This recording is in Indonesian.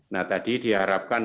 nah tadi diharapkan